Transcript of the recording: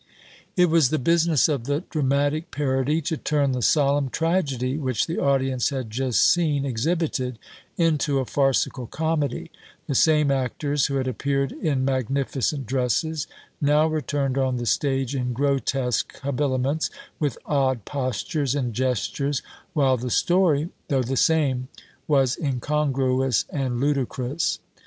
It was the business of the dramatic parody to turn the solemn tragedy, which the audience had just seen exhibited, into a farcical comedy; the same actors who had appeared in magnificent dresses, now returned on the stage in grotesque habiliments, with odd postures and gestures, while the story, though the same, was incongruous and ludicrous.